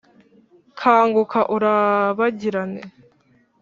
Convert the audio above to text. kanguka urabagirane